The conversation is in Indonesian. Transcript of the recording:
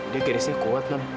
dia garisnya kuat nur